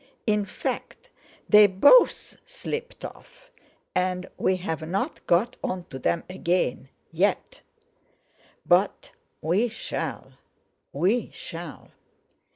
In fact, they both slipped off, and we haven't got on to them again, yet; but we shall—we shall.